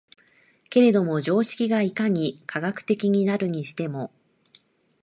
けれども常識がいかに科学的になるにしても、